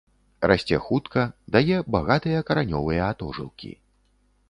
Расце хутка, дае багатыя каранёвыя атожылкі.